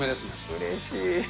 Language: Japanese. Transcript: うれしい。